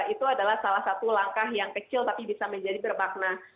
itu adalah salah satu langkah yang kecil tapi bisa menjadi bermakna